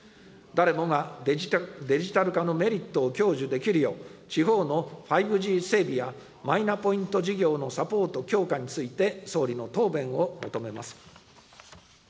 誰もがデジタル化のメリットを享受できるよう、地方の５Ｇ整備やマイナポイント事業のサポート強化について、総理の答弁を求めます。